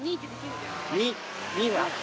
２２は？